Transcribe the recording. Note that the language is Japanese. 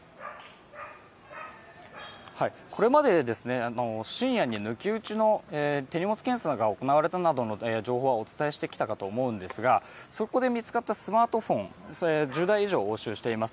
これまで深夜に抜き打ちの手荷物検査が行われたなどの情報はお伝えしてきたと思うんですが、そこで見つかったスマートフォン、１０台以上押収しています。